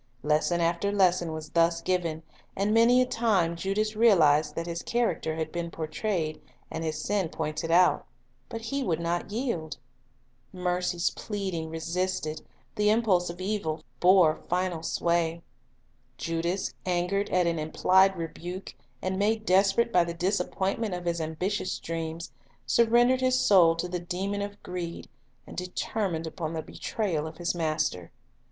Lesson after lesson was thus given, and many a time Judas realized that his character had been portrayed, and his sin pointed out; but he would not yield. Mercy's pleading resisted, the impulse of evil bore final sway. Judas, angered at an implied rebuke, and made desperate by the disappointment of his ambitious dreams, surrendered his soul to the demon of greed, and determined upon the betrayal of his Master.